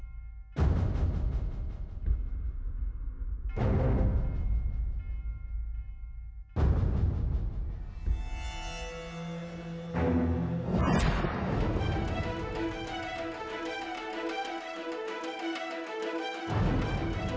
kamu bisa muda juga re overwhelming